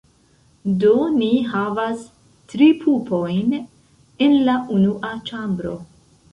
Do ni havas tri pupojn en la unua ĉambro.